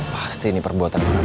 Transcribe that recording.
pasti ini perbuatan para baju